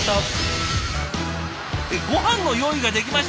「ごはんの用意ができました！」